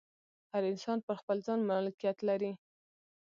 هر انسان پر خپل ځان مالکیت لري.